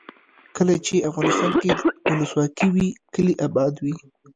کله چې افغانستان کې ولسواکي وي کلي اباد وي.